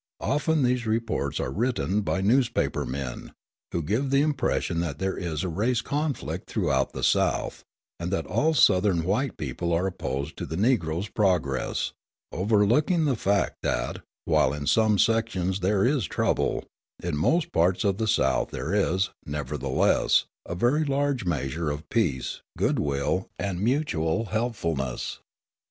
Often these reports are written by newspaper men, who give the impression that there is a race conflict throughout the South, and that all Southern white people are opposed to the Negro's progress, overlooking the fact that, while in some sections there is trouble, in most parts of the South there is, nevertheless, a very large measure of peace, good will, and mutual helpfulness.